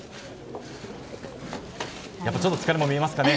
ちょっと疲れも見えますかね。